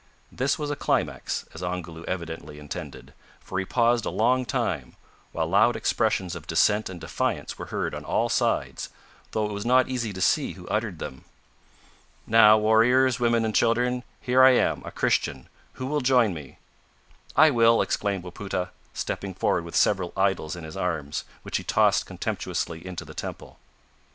This was a climax, as Ongoloo evidently intended, for he paused a long time, while loud expressions of dissent and defiance were heard on all sides, though it was not easy to see who uttered them. "Now, warriors, women and children, here I am a Christian who will join me?" "I will!" exclaimed Wapoota, stepping forward with several idols in his arms, which he tossed contemptuously into the temple.